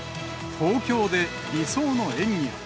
東京で理想の演技を。